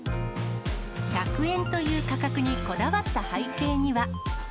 １００円という価格にこだわった背景には。